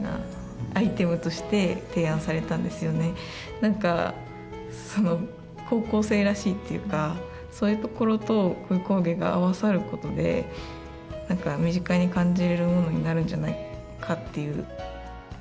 何かその高校生らしいっていうかそういうところとこういう工芸が合わさることで何か身近に感じれるものになるんじゃないかっていう。